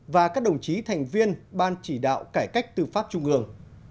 và các đồng chí thành viên ban chỉ đạo cải cách tư pháp trung ương